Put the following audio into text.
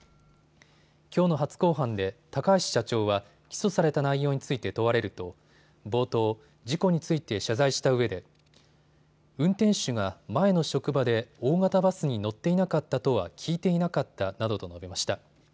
きょうの初公判で高橋社長は起訴された内容について問われると冒頭、事故について謝罪したうえで運転手が前の職場で大型バスに乗っていなかったとは聞いていなかったなどと述べました。